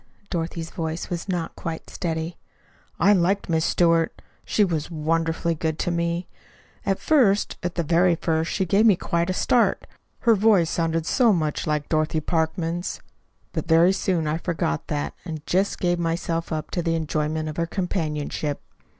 Dorothy's voice was not quite steady. "I liked Miss Stewart. She was wonderfully good to me. At first at the very first she gave me quite a start. Her voice sounded so much like Dorothy Parkman's. But very soon I forgot that, and just gave myself up to the enjoyment of her companionship.